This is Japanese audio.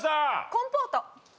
コンポート。